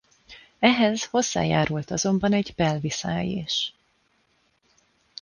Ehhez hozzájárult azonban egy belviszály is.